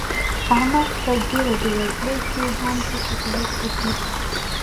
احمد په ډېره بېوزلۍ کې هم هيچا ته لاس اوږد نه کړ.